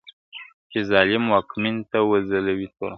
چي ظالم واکمن ته وځلوي توره ..